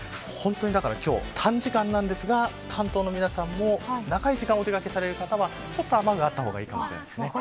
今日は短時間なんですが関東の皆さんも長い時間お出掛けされる方は雨具があった方がいいかもしれません。